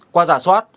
qua giả soát